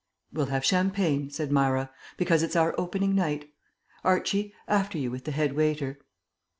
"We'll have champagne," said Myra, "because it's our opening night. Archie, after you with the head waiter."